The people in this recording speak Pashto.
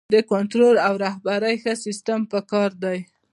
د کنټرول او رهبرۍ ښه سیستم پکار دی.